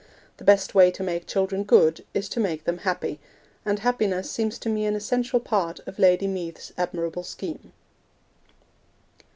The best way to make children good is to make them happy, and happiness seems to me an essential part of Lady Meath's admirable scheme.